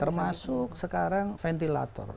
termasuk sekarang ventilator